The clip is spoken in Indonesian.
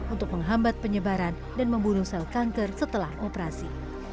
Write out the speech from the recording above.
untuk menghambat penyebaran dan membunuh sel kanker setelah operasi